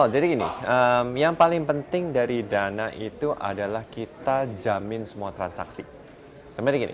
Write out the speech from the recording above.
jadi gini yang paling penting dari dana itu adalah kita jamin semua transaksi